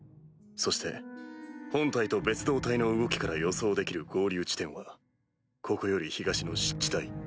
そして本体と別動隊の動きから予想できる合流地点はここより東の湿地帯。